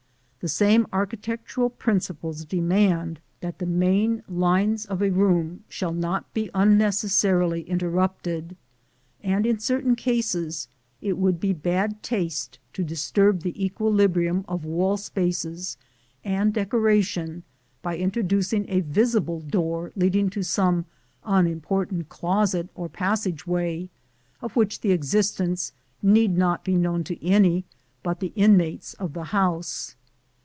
The same architectural principles demand that the main lines of a room shall not be unnecessarily interrupted; and in certain cases it would be bad taste to disturb the equilibrium of wall spaces and decoration by introducing a visible door leading to some unimportant closet or passageway, of which the existence need not be known to any but the inmates of the house.